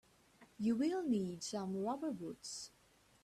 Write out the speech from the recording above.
You will need some rubber boots.